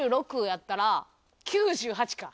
やったら９８か。